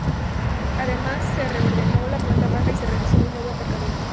Además, se reordenó la planta baja y se realizó un nuevo aparcamiento.